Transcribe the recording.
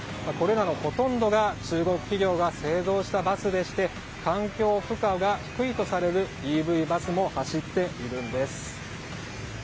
これらのほとんどが中国企業が製造したバスでして環境負荷が低いとされるＥＶバスも走っているんです。